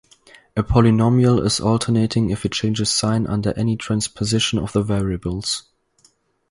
A polynomial is alternating if it changes sign under any transposition of the variables.